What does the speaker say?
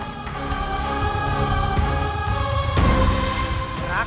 kalian yang akan dihapus